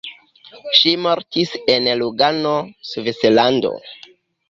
Ŝi mortis en Lugano, Svislando.